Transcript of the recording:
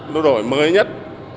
nó đổi mới nhất